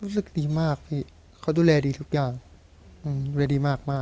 รู้สึกดีมากพี่เขาดูแลดีทุกอย่างดูแลดีมาก